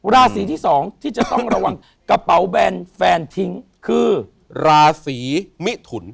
ราศีที่สองที่จะต้องระวังกระเป๋าแบนแฟนทิ้งคือราศีมิถุน